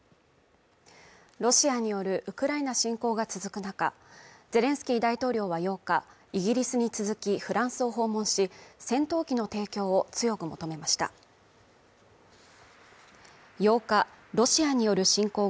ロシアによるウクライナ侵攻が続く中ゼレンスキー大統領は８日イギリスに続きフランスを訪問し戦闘機の提供を強く求めました８日ロシアによる侵攻後